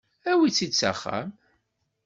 Awi-tt-id s axxam.